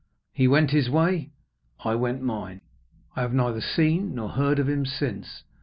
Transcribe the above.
He went his way, I went mine. I have neither seen nor heard of him since.